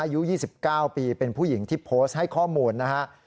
อายุ๒๙ปีเป็นผู้หญิงที่โพสต์ให้ข้อมูลนะฮะ